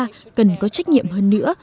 tất cả chúng ta cần có trách nhiệm hơn nữa